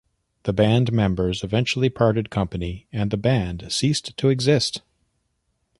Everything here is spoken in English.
The band members eventually parted company and the band ceased to exist.